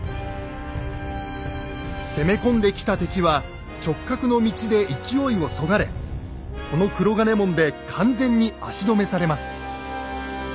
攻め込んできた敵は直角の道で勢いをそがれこの黒金門で完全に足止めされます。